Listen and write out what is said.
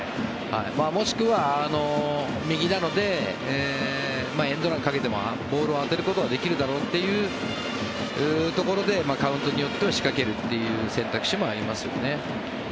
もしくは、右なのでエンドランをかけてもボールを当てることはできるだろうというところでカウントによっては仕掛けるという選択肢もありますね。